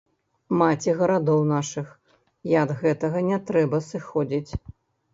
Маці гарадоў нашых, і ад гэтага не трэба сыходзіць.